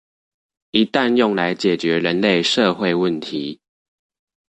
一旦用來解決人類社會問題